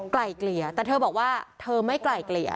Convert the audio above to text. ไกลเกลี่ยแต่เธอบอกว่าเธอไม่ไกลเกลี่ย